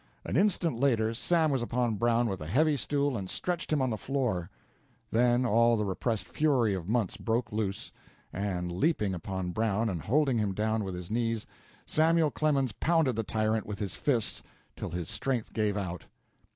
An instant later Sam was upon Brown with a heavy stool and stretched him on the floor. Then all the repressed fury of months broke loose; and, leaping upon Brown and holding him down with his knees, Samuel Clemens pounded the tyrant with his fists till his strength gave out.